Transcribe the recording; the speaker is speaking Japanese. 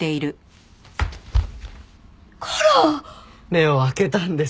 目を開けたんです。